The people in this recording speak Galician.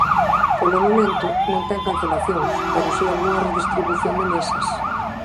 Polo momento, non ten cancelacións, pero si algunha redistribución de mesas.